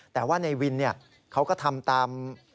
แต่ว่าในวินเขาก็ทำตาม